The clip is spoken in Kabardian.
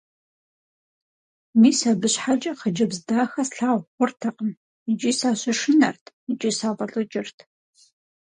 Мис абы щхьэкӀэ хъыджэбз дахэ слъагъу хъуртэкъым – икӀи сащышынэрт, икӀи сафӀэлӀыкӀырт.